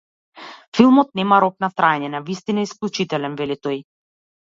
Филмот нема рок на траење, навистина е исклучителен, вели тој.